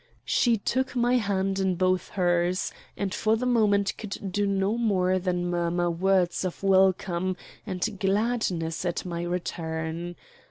She took my hand in both hers, and for the moment could do no more than murmur words of welcome and gladness at my return.